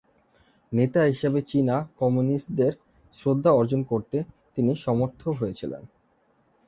নেতা হিসেবে চীনা কমিউনিস্টদের শ্রদ্ধা অর্জন করতে তিনি সমর্থ হয়েছিলেন।